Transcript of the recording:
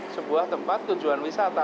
sebuah tempat tujuan wisata